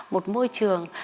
một môi trường